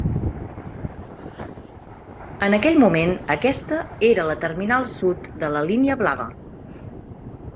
En aquell moment, aquesta era la terminal sud de la Línia Blava.